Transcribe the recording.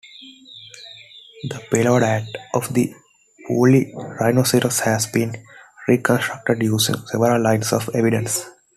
The palaeodiet of the woolly rhinoceros has been reconstructed using several lines of evidence.